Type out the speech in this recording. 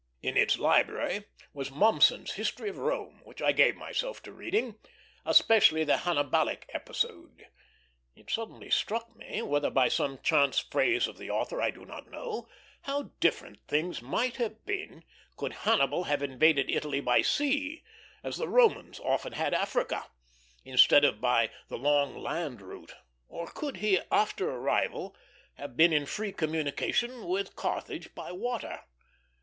In its library was Mommsen's History of Rome, which I gave myself to reading, especially the Hannibalic episode. It suddenly struck me, whether by some chance phrase of the author I do not know, how different things might have been could Hannibal have invaded Italy by sea, as the Romans often had Africa, instead of by the long land route; or could he, after arrival, have been in free communication with Carthage by water.